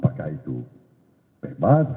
apakah itu bebas